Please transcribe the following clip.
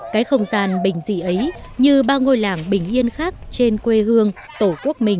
cái không gian bình dị ấy như bao ngôi làng bình yên khác trên quê hương tổ quốc mình